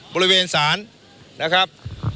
บริเวณศาลนะครับ